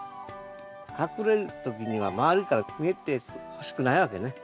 隠れる時には周りから見えてほしくないわけね。